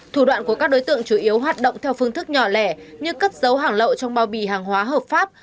thủ đoạn của các đối tượng chủ yếu hoạt động theo phương thức nhỏ lẻ như cất dấu hàng lậu trong bao bì hàng hóa hợp pháp